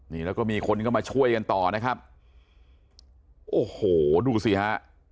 นี่แล้วก็มีคนก็มาช่วยกันต่อนะครับโอ้โหดูสิฮะ